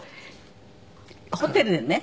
ホテルでね